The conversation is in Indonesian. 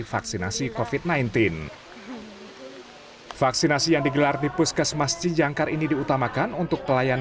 vaksinasi kofit sembilan belas vaksinasi yang digelar di puskesmas cijangkar ini diutamakan untuk pelayan